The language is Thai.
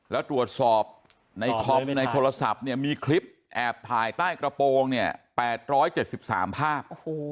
แล้วตรวจสอบในคอมในโทรศัพท์เนี่ยมีคลิปแอบถ่ายใต้กระโปรงเนี่ย๘๗๓ภาพ